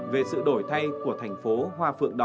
về sự đổi thay của thành phố hoa phượng đỏ